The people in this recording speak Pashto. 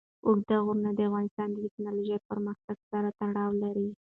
اوږده غرونه د افغانستان د تکنالوژۍ پرمختګ سره تړاو لري.